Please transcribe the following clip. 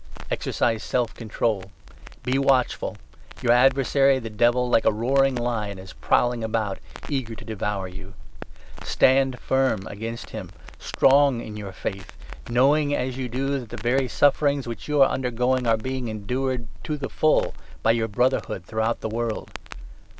Exercise self control, be 8 watchful. Your adversary, the Devil, like a roaring lion, is prowling about, eager to devour you. Stand firm against 9 him, strong in your faith ; knowing, as you do, that the very sufferings which you are undergoing are being endured to the full by your Brotherhood throughout the world.